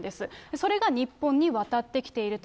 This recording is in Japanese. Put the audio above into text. それが日本に渡ってきていると。